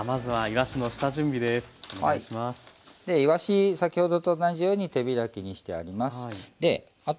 いわし先ほどと同じように手開きにしてあります。